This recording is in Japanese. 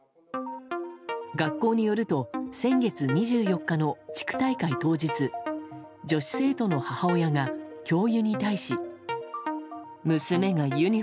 学校によると先月２４日の地区大会当日女子生徒の母親が、教諭に対し。